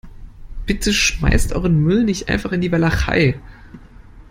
Bitte schmeißt euren Müll nicht einfach in die Walachei.